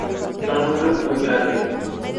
Son un club muy grande.